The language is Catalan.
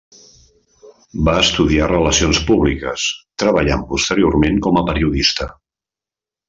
Va estudiar relacions públiques, treballant posteriorment com a periodista.